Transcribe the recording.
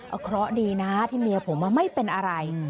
เอาเคราะห์ดีนะที่เมียผมไม่เป็นอะไร